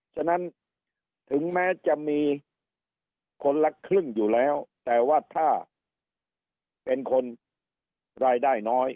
ฉะนั้นถึงแม้จะมีคนละครึ่งอยู่แล้วแต่ว่าถ้าเป็นคนรายได้น้อย